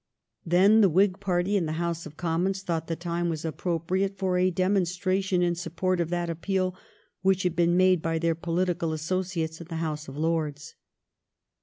Then the Whig party in the House of Commons thought the time was appropriate for a demonstration in support of that appeal which had been made by their pohtical associates in the House of Lords.